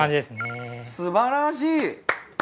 すばらしい！